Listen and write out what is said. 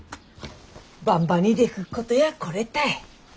ばんばにでくっことやこれたい。